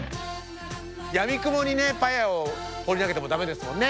やみくもにねパヤオを放り投げても駄目ですもんね。